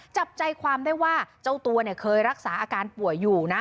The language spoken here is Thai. จับใจความได้ว่าเจ้าตัวเนี่ยเคยรักษาอาการป่วยอยู่นะ